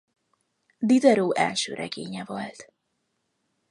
Diderot első regénye volt.